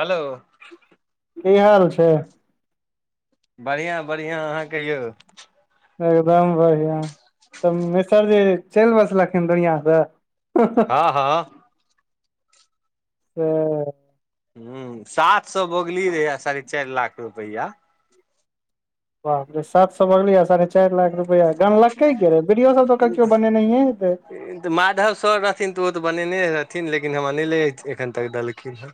hello की हाल छै बढ़िआँ बढ़िआँ अहाँ कहियौ एकदम बढ़िआँ तऽ मिसरजी चलि बसलखिन दुनिआ से हँ से हँ ह साह हुँ सात सए बगली रहे साढ़े चारि लाख रुपैआ बाप रे सात सए बगलिय साढ़े चार लाख रुपए गानलके रहे वीडियो सब तऽ कियो बनेयए हेतै तऽ माधव सर रहथिन तऽ ओ तऽ बनेने रहथिन लेकिन हमरा नहि लै एखन तक देलखिन हँ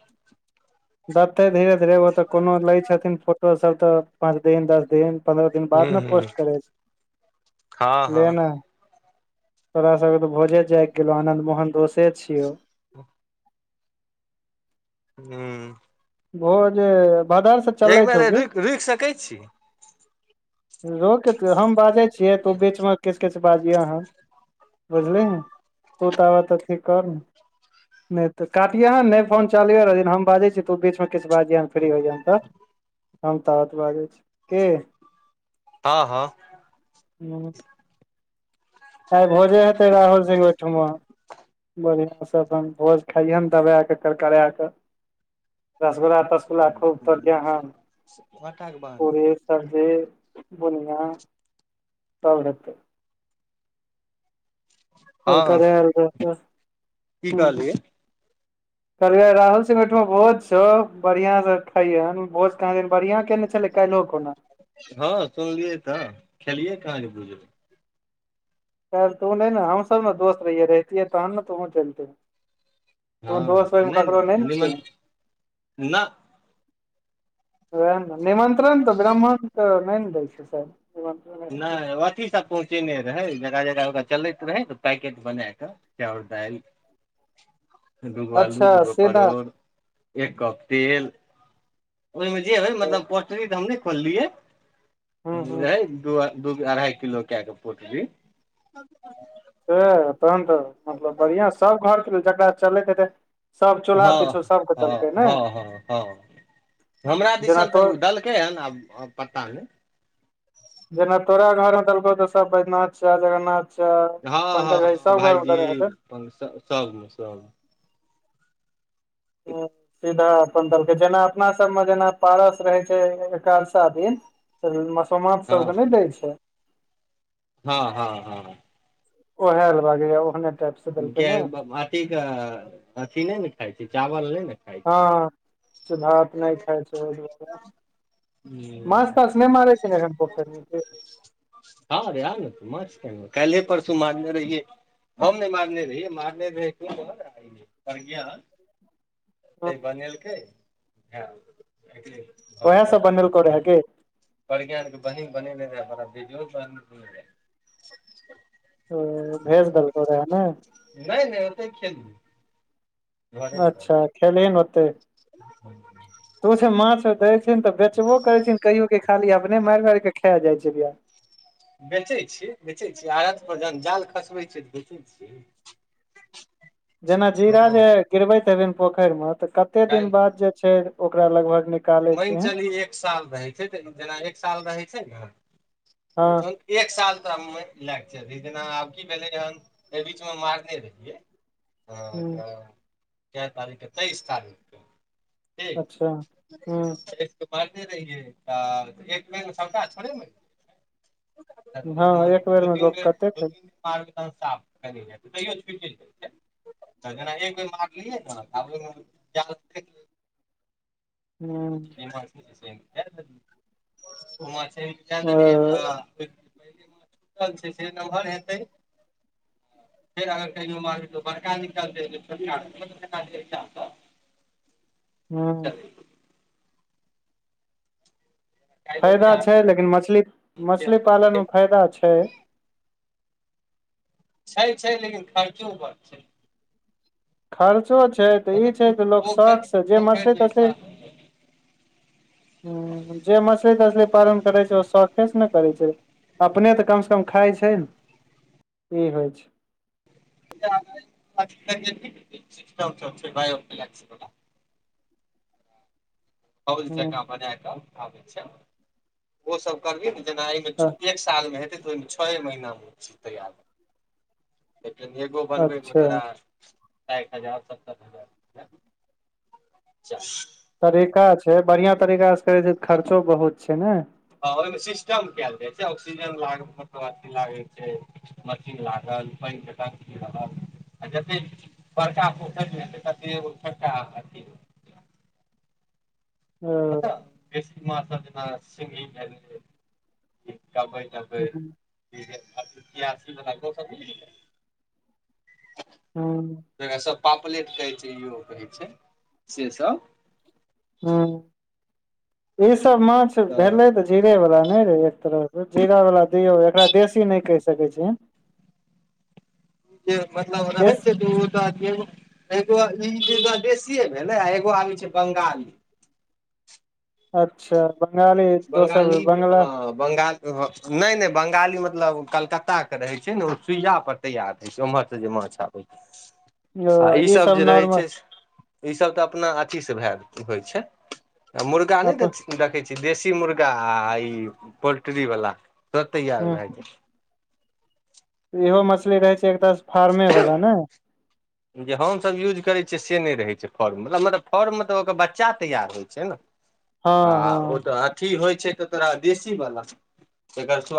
देते धीरे धीरे ओ तऽ कोनो लै छथिन फोटो सब तऽ पाँच दिन दस दिन पन्द्रह दिन हू बाद ने हू पोस्ट करै छै हँ बुझि हँ लिय ने तोरा सब के तो भोजे जागि गेलो आनंद मोहन दोषे छियौ त [inaudible] हुँ ओ हे जे बदर सँ एक बेर रुकि रुकि सकै छी रोक हम बाजै छियै तऽ ओ बीचमे किछु किछु बाजियौ अहाँ बुझलीहिं तूताब तऽ ठीक कर ने नहि तऽ काटियह नहि फोन चालबे रहै हम बाजै छी तऽ बीच किछु बाजियां फ्री होइयाँह तऽ हम ताबत बाजै छियोउ की हँ हँ आइ भोजे हेतै राहुल सिंह ओहिठमा बढ़िआँ से भोज खाइहे दबा के कर करा के रसगुल्ला तसगुल्ला खूब तोड़ियह दू घंटा कें बाद पूरी सब्जी बुनियाँ सब हेतो हँ करकराल रहतौ की कहलियै कहलियौ राहुल ओहिठमा भोज छौ बढ़ियां से खैहन भोज कहाँ दिन बढ़िया सँ केने छले कालिहो खुना हँ सुनलियै तऽ खेलियै काँके बुझल कालिह तु ने न हम सब ने दोस्त रहियै रहतीय तहन ने तुहों चलतिहींन तु दोस्त ककरो नहि न छिहींन न ओएह ने निमंत्रण तऽ ब्राह्मण तऽ नहि ने दै छै साह नहि कथी सब पहुँचेने रहै जगह जगह ओकरा चलैत रहै तऽ पैकेट बना कऽ चाउर दालि [unintelligible] दूगो आलू अच्छा दूगो सीधा परोड़ एक कप तेल ओहिमे जे हय मतलब पोटरी तऽ हम नहि खोललियै हूँ हूँ द दू अढ़ाई किलो क के पोटली सब से तहन तऽ मतलब बढ़ियां सब घरके जकरा चलैत हेतै सब चूल्हा पिछु हँ सबके हँ देलकै ने हँ हँ हँ हमरा जेना दिसन तो तऽ दलकै के एहन आब पता नहि जेना तोरा घर मे देलकौ तो सब बैद्यनाथ साह जगन्नाथ अच्छा हँ हँ पंकज भाई हँ सब घर मे भायजी देने हेतै सबमे सबमे हुँ सीधा अपन देलकै जेना अपना सबमे जेना पारस रहै छै एकादसा दिन त मसोमात हँ सबके नहि दै छै हँ हँ हँ ओह लागे या ओहने टाइप से देलकै के ने अथी के अथी नहि ने खााय छी चावल नहि ने खाइ हँ भात नहि खाइ छै ओहि दुआरे छै माछ ताछ ने मारै छै ने पोखर मे हँ रे आ ने त मछ क कायलेह परसू मारने रहिै ये नै मारने रहिये मारने रहैय त बनेलकै हँ ओहा सब बनेलको रहा की बढ़ियाँ सँ बहिन बनने रहै हमरा वीडियो - ओ भेज देलकौ रहा ने नहि नहि ओतऽ खेलय अच्छा खेलेले ही ने होते ह [inaudible] तोस माछ देै छैन तऽ बेचबो करे छीन कहियो के खाली अपने मारि मार के खा जाइ छिहींन बेचै छीयै बेचै छीयै आरत पर जहन जाल खसबै छियै तऽ बेचै छियै [unintelligible] जेना जीरा जे गिरबैत हेबन पोखरि मे तऽ कते दिन काल्हि बाद जे छै ओकरा लगभग नीक मान चली एक साल रहै छै तऽ जेना एक साल रहै छै ने हँ एक साल तऽ ला क चलहिं जेना आब की भेले एहि बीच मे मारने रहियै हँ ह तऽ क तारीखे तेइस तारीख अच्छा ह मारने रहियए एक बेर मे सबटा थोड़े मरि हँ एक बेर मे जेतय लोक कतेक ह दिन [inaudible] तैयो छुटि [inaudible] तऽ जेना एक बेर मारलियै ने आब ओहि जाल फेंक देलिए स क देलियै तऽ [inaudible] ह छुटल छै से नमहर हेतै फेर अगर कही मारो बड़का निकलतै छोटका [inaudible] हुँ फायदा छै लेकिन मछली मछली पालनमे फायदा छै छै छै लेकिन खर्चो बड्ड छै खर्चो छै तऽ ई छै त लोक पोखरि शौखस जे पोखरि मछली के तछली हिसाब हुँ जे मछली तछली पालन करै छै ओ शौखे ने करै छै अपने तऽ कमसँ कम खाइ छै ने ई होइ छै भ ल ओ [inaudible] फौज जंका बना क आबै छै ओसभ करबियै ने जेना एहिमे ह एक सालमे हेतै तऽ ओहिमे छओ महीनामे चीज तैयार भ जेतौ लेकिन हऐगो बनबै मे अच्छा तोरा साइठ हजार सत्तर हजार खर्चा तरीका छै बढ़िआं तरीकाँ करै छै खर्चो बहुत छै ने हँ ओहिमे सिस्टम कयल जाइ छै ऑक्सीजन लाग मब अथी लागै छै मशीन लागल पानि जटाी रहल आ जतेक बड़का पोखर जतेय एगो छोटका ओ बेसी मान्छ जेना सिंघी भेल कबैय ह इति सब [inaudible] हँ सब पापलेट कहै छै इहो कहै छै से सब हुँ ई सब माछ भेलै तऽ जीरे वाला नहि रहे एक तरफ जीरा वाला दियौ एकरा देशी नहि कहि सकै छिय [unintelligible] जे मतलब ओ रह है देश छै त दू आदमी एगो एगो ई एगो देशीए भेले आ एगो आबै छै बंगाली अच्छा बंगाली दोसर बेर बंगाली बंगला हँ बंगाल नहि नहि बंगाली मतलब कलकत्ता के रहै छै ने ओ सुइया पर तैयार होइ छै ओम्मर से जे मछबै आबैय आय ओ ई सब छै नॉर्मल ई सब तऽ अपना अथी से भए होइ छै आ मुर्गा नहि अपन देखै छिहिन देशी मुर्गा आ ई पोल्ट्री वला सब तैयार ह भए गेल इहो मछली रहै छै एकटा फारमे वला ने जे हम सब यूज करै छियै से नहि रहै छै फॉर्म मतलब मतलब फॉर्म मे त ओ बच्चा तैयार होइ छै ने [unintelligible] आ ओ हँ तऽ अथी होइ छै तऽ तोरा देशीवला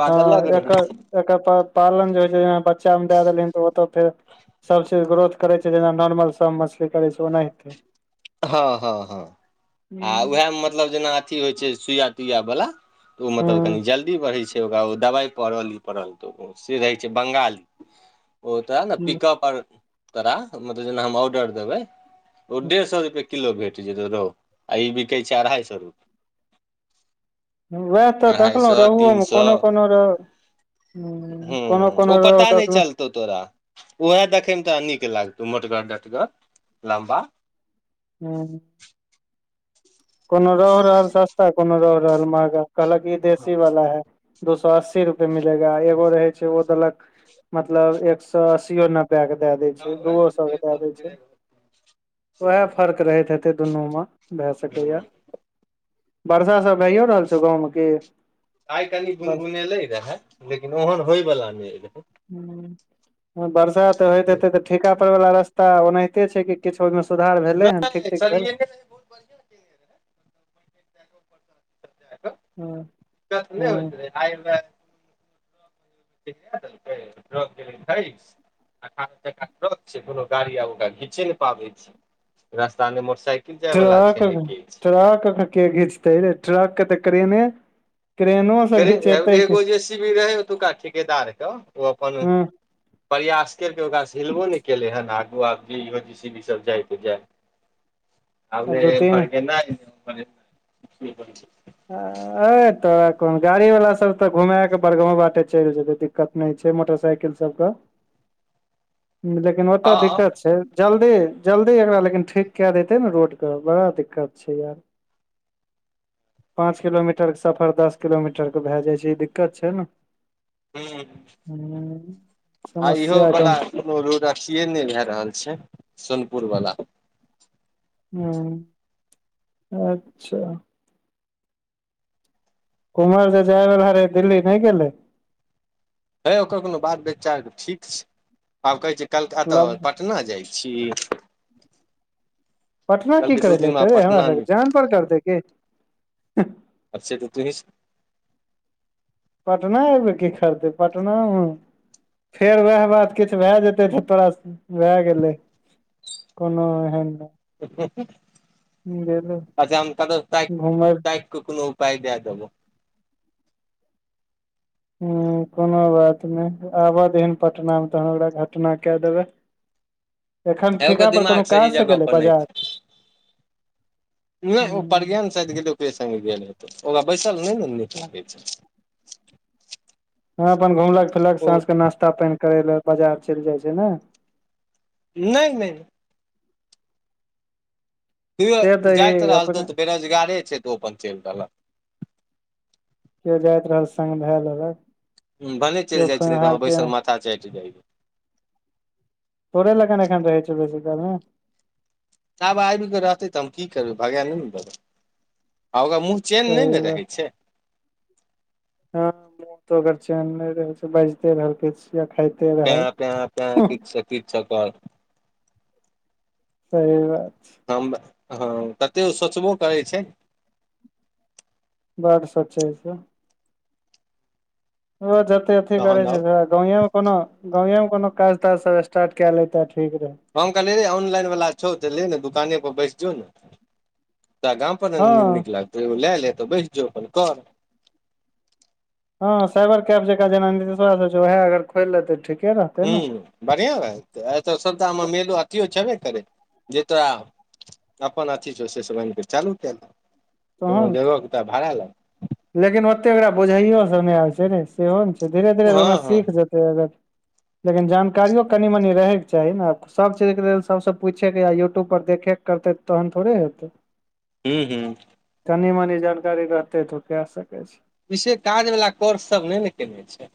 हँ एकर एकर पालन जे होइ छै जेना बच्चा मे दए देलहिन तऽ ओतऽ फेर सभचीज ग्रोथ करै छै जेना नॉर्मल सब मछली करै छै ओनहि तै हँ हँ हँ आ हूँ उएहमे मतलब जेना अथी होइ छै सुइया तुइया बला तऽ ओ मतलब हूँ कनि जल्दी बढ़ै छै ओकरा ओ दबाई पड़ल ई पड़ल तऽ से रहैत छै बंगाली ओ त वैएह ने हूँ पिकअप आर तोरा मतलब जेना हम ऑर्डर देबै ओ डेढ़ सौ रुप किलो भेट जेतौ रहो आ ई बिकै छै अढ़ाई सौ रुपए उएह तऽ अढ़ाइ देखलहुँ सए तीन रोहुओमे सए कोनो कोनो रह हुँ कोनो कोनो रौह देखलहूँ तौ तोरा उहे देखै मे तोरा नीक लागतौ मोटगर डटगर लम्बा हुँ कोनो रोहु रहल सस्ता कोनो रोहु रहल महंगा कहलक ई देशी वाला है दू सौ अस्सी रुपए मिलेगा एगो रहे छै ओ देलक मतलब एक सौ अस्सीओ नब्बे ला क दैए दै छै आइ दुओ सौ क दैए दै छै वहेए फर्क त रहैत हेतै दुनू मे भए सकैया वर्षा सब भइयो रहल छौ गाँवमे की आइ कनि बर्ष बुनबुनेले रहे लेकिन ओहन होय बाला नहि रहे हुँ बरसा तऽ होइत हेतै तऽ ठेका तर वला रस्ता ओनाहिते छै कि किछु ओहिमे सुधार भेलै हन ठीक नहि ठीक भेल सरियने रहै बहुत बढ़िआँ केने रहै हँ दिक्कत नै हँ होइत रहै आई ओकरा स तै ्रग गल खइ [inaudible] अठारह चक्का ट्रक छै कोनो गाड़ी आ ओकरा खिंचे नहि पाबै छै रस्ता में मोटरसाइकिल जाय वाला ट्रक छै ने किछ ट्रक के घीचतेै रे ट्रक तऽ क्रेन ने क्रेनो क्रे एगो जे सी बी रहै ओतुका ठिकेदारके ओ अपन हँ प्रयास केलकै ओकरासँ हिलबो नहि केले हन आगू आब जे इहो जे छै ई सब जाय त जाय [unintelligible] आब न दू तीन एम्हर गेनाय - ऐ तोरा कोन गाड़ी वाला सब तऽ घुमाय क बड़गांव बाटे चलि जेतै दिक्क़त दिक्कत नहि छै मोटरसाइकिल सब के लेकिन ओत हँ दिक्कत छै जल्दी जल्दी एकरा लेकिन ठीक कए देतै ने रोडके बड़ा दिक्कत छै यार पाँच किलोमीटरके सफर दस किलोमीटरके भए जाइ छै ई दिक्कत छै ने ह हुँ आ इहो समस्या वाला गंभीर कोनो रोड अथीए नहि भए रहल छै सोनपुर वला हुँ अच्छा कुमहर जे जायबला रहै दिल्ली नहि गेलै हे ओकर कोनो बात बिचारके ठीक छै आब कहै छै कल्हुका तऽ लब पटना पटना जाइ छी पटना की कहलकै दू करै लए दिन मे एतै हमरा पटना नहि सबके जानपर करतै की आब से तं तूहि सभ पटना अयबै की करतैय पटनामे फेर वएह बात किछ भए जेतै तऽ तोरा भए गेलै कोनो एहेन हुँ हह अच्छा हम ताकि घुमय कं कोनो पाय दादेबो हं कोनो बात नहि आबऽ दिहिन पटना मे तहन ओकरा घटना कैय देबै एखन हे ओकर ठीका पर दिमाग कोनो काज सही से जगह गेलै पर नहि बाजार नहि ओ हूँ पर्यन्त चलि गेल त ओकरे संगे गेल हैतेय ओकरा बैसल नहि ने नीक लागै छै ह अपन घुमलक फिरलक ओ साँझ के नास्ता पानि करै लए बाजार चलि जाइ छै ने नहि नहि तयो से तऽ जाइत ई रहल तऽ अपन ओ तऽ बेरोजगारे छै तऽ ओ अपन चलि देलक केओ जाइत रहल संग धाय लेलक हुँ भने चलि केओ जाइ छी ने तऽ खोनिहार हमर पे बैसल माथा चाइट जाइया तोरे लगान एखन रहै छ बेसी काल ने आब आबि के रहते तऽ हम की करबै भगा नैने देबै आ ओकर मुंह चेन सही नहि ने रहै छै ह माथो ओकर चैन नहि रहै छै बाजते रहल किछु या खाइते रहल पे पे किछ कीछ सकर सही बात छै हम हँ कतेक सोचबो करै छै बड सोचै छै ओ जते अथी करे तहन छै आउ गांवेमे कोनो गांवेमे कोनो काज ताज सब स्टार्ट कए लेतै ठीक रहै हम कहले रे ऑनलाइन वाला छौ त ले ने दुकाने पर बैस जो ने गाम अपन न हँ नै नीक लागतौ ओ लए ले तऽ बैस जो अपन कर हँ साइबर कैब जक जेना न उएह अगर खोल लेतै ठीके रहतै ने ह्मँ बढ़िआँ हऽ एहि तऽ सभटामे मेलो अथियो छेबे करै जे तोरा अपन अथी ज से से आन कऽ चालू कए ल कोनो तहन जगह कें तोरा भारा लगतौ लेकिन ओतेक ओकरा बुझाइयो सब नहि आबै छै रे सेहो ने छै धीरे धीरेऽ ओना हँ हँ सीख जेतै अगर लेकिन जानकारियो कनि मनि रहैके चाही ने सब चीज के लेल सबसँ पूछैके या यूट्यूब पर देखे करतै तहन थोड़े हेतै हुँ हुँ कनि मनी जानकारी रहतै त ओ कैय सकै छै से काज वला कोर्ससभ नहि ने केयने छै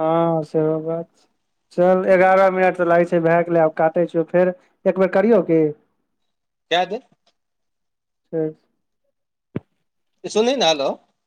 हँ सेहो बात छै चल छै एगारह मिनट तऽ लागै छै भए गेलै आब काटे छिय फेर एक बेेर करियौ की कऐ दिहिन ठीक छोउ इ सुनहि ने हेलो